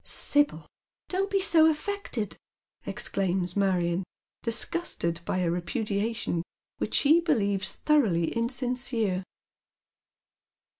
" Sibyl, don't be so affected !" exclaims Marion, disgusted by a repudiation which she believes thoroughly insincere.